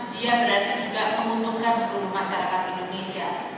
dia berarti juga menguntungkan seluruh masyarakat indonesia